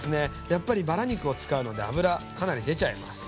やっぱりバラ肉を使うので脂かなり出ちゃいます。